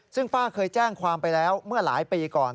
ซึ่งป้าเคยแจ้งความไปแล้วเมื่อหลายปีก่อน